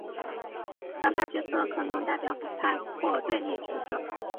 反派角色可能代表反派或对立角色。